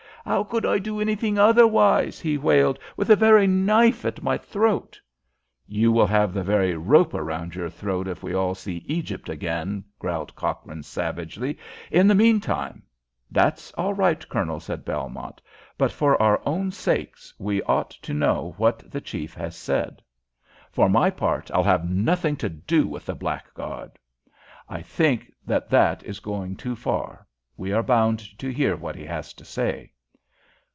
"How could I do anything otherwise," he wailed, "with the very knife at my throat?" "You will have the very rope round your throat if we all see Egypt again," growled Cochrane, savagely. "In the meantime " "That's all right, Colonel," said Belmont. "But for our own sakes we ought to know what the chief has said." "For my part I'll have nothing to do with the blackguard." "I think that that is going too far. We are bound to hear what he has to say."